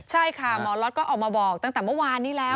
ใช่ค่ะหมอล็อตก็ออกมาบอกตั้งแต่เมื่อวานนี้แล้ว